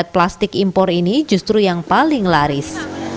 plastik impor ini justru yang paling laris